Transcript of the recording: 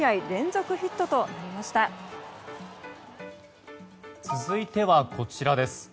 続いてはこちらです。